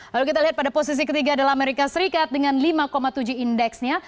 lalu kita lihat pada posisi ketiga adalah amerika serikat dengan lima tujuh indeksnya